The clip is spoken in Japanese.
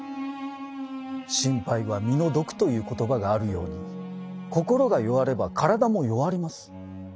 「心配は身の毒」という言葉があるように心が弱れば体も弱ります。